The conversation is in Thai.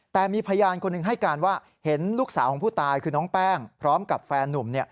แต่มีพยานคนหนึ่งให้การว่าเห็นลูกสาวของผู้ตายคือน้องแป้งพร้อมกับแฟนนุ่ม